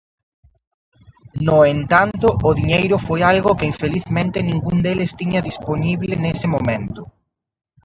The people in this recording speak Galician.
No entanto, o diñeiro foi algo que infelizmente ningún deles tiña dispoñible nese momento.